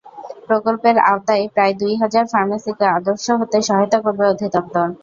প্রকল্পের আওতায় প্রায় দুই হাজার ফার্মেসিকে আদর্শ হতে সহায়তা করবে অধিদপ্তর।